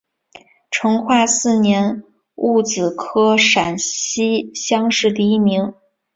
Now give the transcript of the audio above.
成化四年戊子科陕西乡试第一名。